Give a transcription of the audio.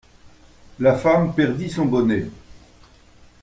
La femme perdit son bonnet.